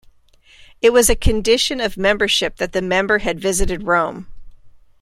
It was a condition of membership that the member had visited Rome.